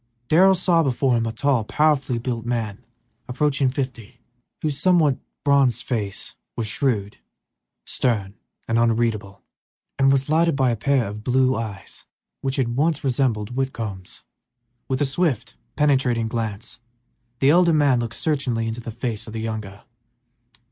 Darrell saw before him a tall, powerfully built man, approaching fifty, whose somewhat bronzed face, shrewd, stern, and unreadable, was lighted by a pair of blue eyes which once had resembled Whitcomb's. With a swift, penetrating glance the elder man looked searchingly into the face of the younger.